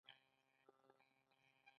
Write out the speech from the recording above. موږ غواړو ستاسو په هېواد کې صنعت وده وکړي